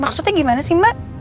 maksudnya gimana sih mbak